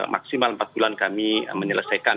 maksimal empat bulan kami menyelesaikan